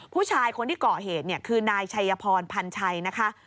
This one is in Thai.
ผู้ชายคนที่ก่อเหตุเนี่ยคือนายชัยพรพันชัยนะคะ